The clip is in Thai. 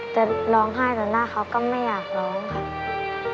จะร้องไห้ต่อหน้าเขาก็ไม่อยากร้องค่ะ